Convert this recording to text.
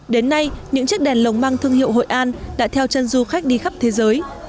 đến nay những chiếc đèn lồng mang thương hiệu hội an đã theo chân du khách đi khắp thế giới